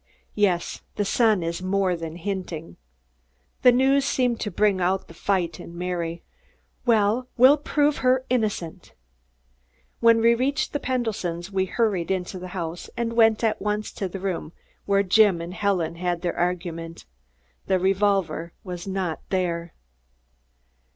"Yes. The Sun is more than hinting." The news seemed to bring out the fight in Mary. "Well, we'll prove her innocent." When we reached the Pendletons' we hurried into the house and went at once to the room where Jim and Helen had their argument. The revolver was not there.